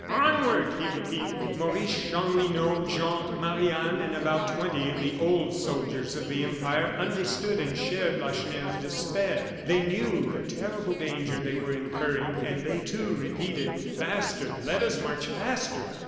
onward!" he repeated. Maurice, Chanlouineau, Jean, Marie Anne, and about twenty of the old soldiers of the Empire, understood and shared Lacheneur's despair. They knew the terrible danger they were incurring, and they, too, repeated: "Faster! Let us march faster!"